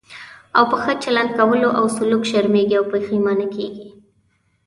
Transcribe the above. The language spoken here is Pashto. او په ښه چلند کولو او سلوک شرمېږي او پښېمانه کېږي.